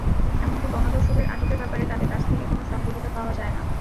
এমনকি বনদস্যুদের আটকের ব্যাপারে তাঁদের কাছ থেকে কোনো সহযোগিতা পাওয়া যায় না।